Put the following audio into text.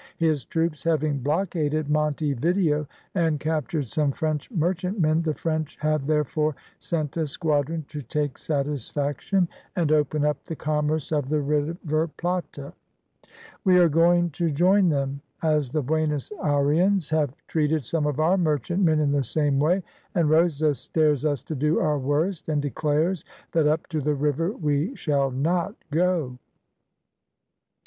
His troops having blockaded Monte Video and captured some French merchantmen, the French have, therefore, sent a squadron to take satisfaction, and open up the commerce of the river Plate. "We are going to join them, as the Buenos Ayrians have treated some of our merchantmen in the same way, and Rosas dares us to do our worst, and declares that up the river we shall not go.